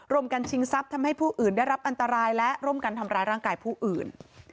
กันชิงทรัพย์ทำให้ผู้อื่นได้รับอันตรายและร่วมกันทำร้ายร่างกายผู้อื่น